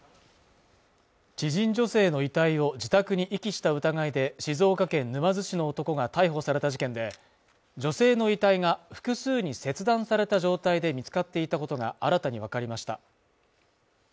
知人女性の遺体を自宅に遺棄した疑いで、静岡県沼津市の男が逮捕された事件で、女性の遺体が複数に切断された状態で見つかっていたことが新たにわかりました。